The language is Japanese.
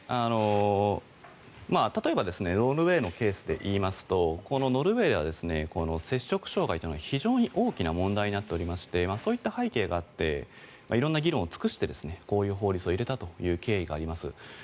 例えばノルウェーのケースでいいますとこのノルウェーは摂食障害というのは非常に大きな問題になっておりましてそういった背景があって色んな議論を尽くしてこういう法律を入れたという経緯があります。